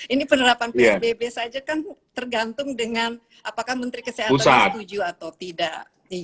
ini penerapan psbb saja kan tergantung dengan apakah menteri kesehatan setuju atau tidak